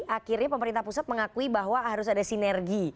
akhirnya pemerintah pusat mengakui bahwa harus ada sinergi